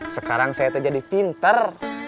sekarang saya terjadi pinter